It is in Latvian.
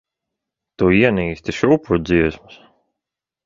Tu ienīsti šūpuļdziesmas.